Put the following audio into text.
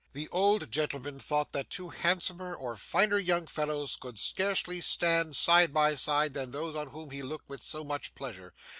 The old gentleman thought that two handsomer or finer young fellows could scarcely stand side by side than those on whom he looked with so much pleasure.